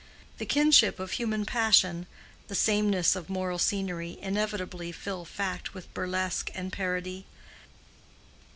The kinship of human passion, the sameness of mortal scenery, inevitably fill fact with burlesque and parody.